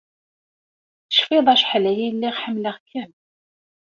Tecfiḍ acḥal ay lliɣ ḥemmleɣ-kem?